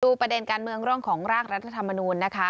ประเด็นการเมืองเรื่องของร่างรัฐธรรมนูญนะคะ